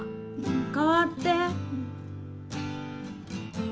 代わって！